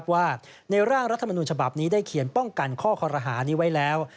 ว่าในร่างรัฐมนุนฉบับนี้ได้เขียนป้องกันข้อคอรหานี้ไว้แล้ว